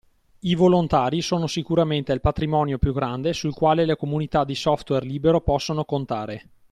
I volontari sono sicuramente il patrimonio più grande sul quale le comunità di software libero possono contare.